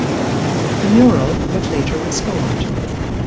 The mural was later restored.